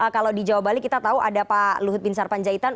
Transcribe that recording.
kalau di jawa bali kita tahu ada pak luhut bin sarpanjaitan